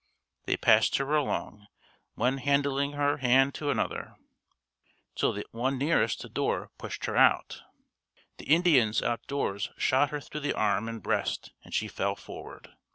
They passed her along, one handing her hand to another, till the one nearest the door pushed her out. The Indians out doors shot her through the arm and breast and she fell forward.